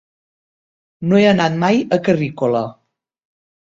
No he anat mai a Carrícola.